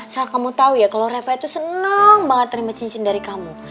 salah kamu tau ya kalo reva tuh seneng banget terima cincin dari kamu